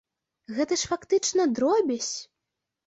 Гэта ж, фактычна, дробязь?